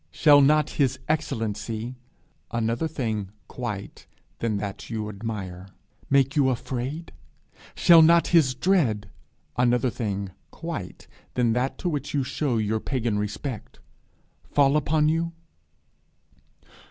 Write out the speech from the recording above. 'Shall not his excellency' another thing quite than that you admire 'make you afraid? Shall not his dread' another thing quite than that to which you show your pagan respect 'fall upon you?'